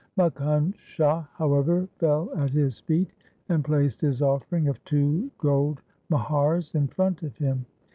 Makkhan Shah, however, fell at his feet, and placed his offering of two gold muhars in front of him.